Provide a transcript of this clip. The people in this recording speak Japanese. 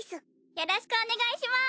よろしくお願いします！